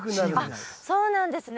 あっそうなんですね。